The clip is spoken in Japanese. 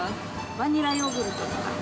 バニラヨーグルトとか。